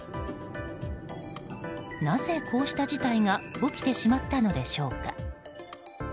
なぜ、こうした事態が起きてしまったのでしょうか。